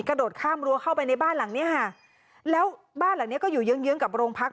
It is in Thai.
กระโดดข้ามรั้วเข้าไปในบ้านหลังเนี้ยค่ะแล้วบ้านหลังเนี้ยก็อยู่เยื้องเยื้องกับโรงพัก